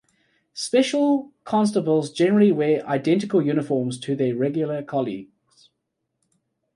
Special constables generally wear identical uniforms to their regular colleagues.